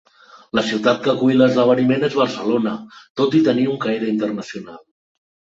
La ciutat que acull l'esdeveniment és Barcelona, tot i tenir un caire internacional.